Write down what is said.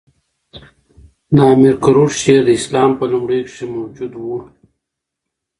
د امیر کروړ شعر د اسلام په لومړیو کښي موجود وو.